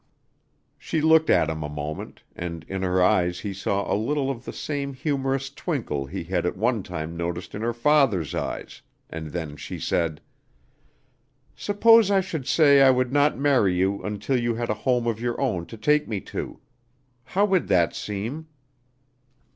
She looked at him a moment, and in her eyes he saw a little of the same humorous twinkle he had at one time noticed in her father's eyes, and then she said: "Suppose I should say I would not marry you until you had a home of your own to take me to; how would that seem?"